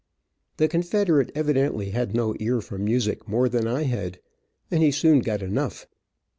The confederate evidently had no ear for music more than I had, and he soon got enough.